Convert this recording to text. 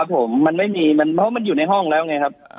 ผมมันไม่มีมันเพราะมันอยู่ในห้องแล้วไงครับ